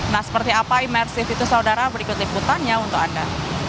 nah seperti apa imersif itu saudara berikut liputannya untuk anda